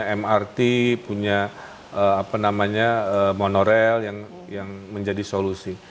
lalu kami harus punya lrt punya mrt punya apa namanya monorail yang menjadi solusi